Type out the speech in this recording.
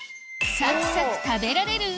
サクサク食べられる？